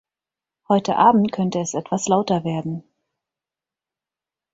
Heute Abend könnte es etwas lauter werden.